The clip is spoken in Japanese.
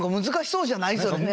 それね。